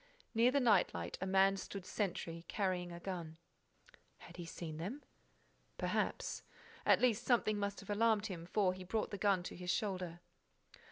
Near the night light, a man stood sentry, carrying a gun. Had he seen them? Perhaps. At least, something must have alarmed him, for he brought the gun to his shoulder.